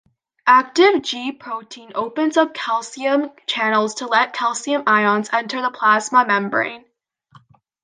Active G-protein open up calcium channels to let calcium ions enter the plasma membrane.